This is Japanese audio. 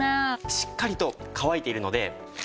しっかりと乾いているので。